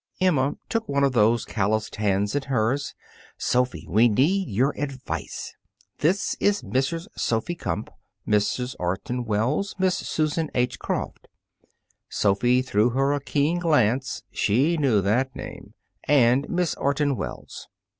Emma took one of those calloused hands in hers. "Sophy, we need your advice. This is Mrs. Sophy Kumpf Mrs. Orton Wells, Miss Susan H. Croft" Sophy threw her a keen glance; she knew that name "and Miss Orton Wells."